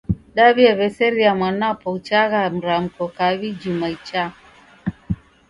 Daw'iaw'eseria mwanapo uchagha mramko kawi juma ichaa.